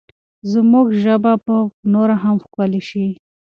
زموږ ژبه به نوره هم ښکلې شي.